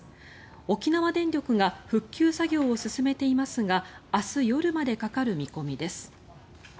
沖縄電力が復旧作業を進めていますが明日夜までかかる見込みです。